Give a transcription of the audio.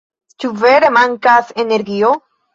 Ĉu vere mankas energio?